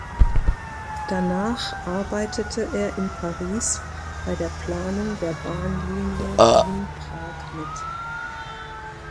Danach arbeitete er in Paris bei der Planung der Bahnlinie Wien-Prag mit.